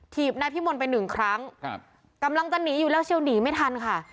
นายพิมลไปหนึ่งครั้งครับกำลังจะหนีอยู่แล้วเชียวหนีไม่ทันค่ะ